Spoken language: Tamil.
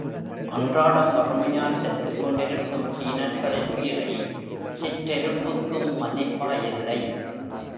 அன்றாடம் வறுமையால் செத்துக் கொண்டிருக்கும் சீனர்களின் உயிரை சிற்றெரும்புக்கும் மதிப்பாயில்லை.